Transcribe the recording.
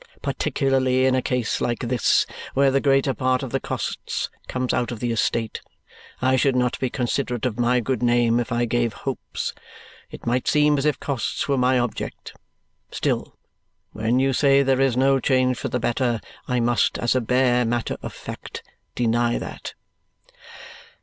Particularly in a case like this, where the greater part of the costs comes out of the estate, I should not be considerate of my good name if I gave hopes. It might seem as if costs were my object. Still, when you say there is no change for the better, I must, as a bare matter of fact, deny that."